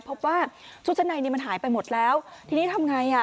พบว่าชุดชั้นในนี่มันหายไปหมดแล้วทีนี้ทำไงอ่ะ